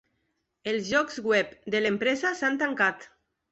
Els llocs web de l'empresa s'han tancat.